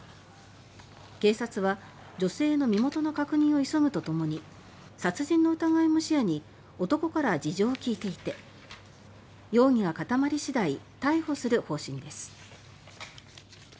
警察は女性の身元の確認を急ぐとともに殺人の疑いも視野に男から事情を聴いていて容疑が固まり次第逮捕する方針です。